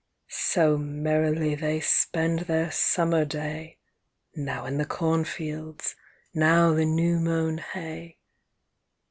So merrily they spend their summer day, Now in the cornfields, now the new mown hay.